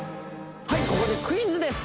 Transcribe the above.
はいここでクイズです